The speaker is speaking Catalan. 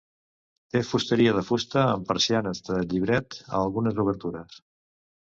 Té fusteria de fusta amb persianes de llibret a algunes obertures.